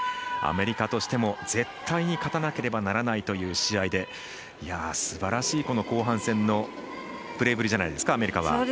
アメリカとしても絶対に勝たなければならないという試合ですばらしい後半戦のプレーぶりじゃないですかアメリカは。